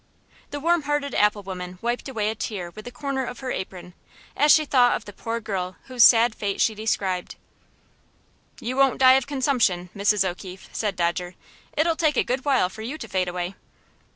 The warm hearted apple woman wiped away a tear with the corner of her apron, as she thought of the poor girl whose sad fate she described. "You won't die of consumption, Mrs. O'Keefe," said Dodger. "It'll take a good while for you to fade away."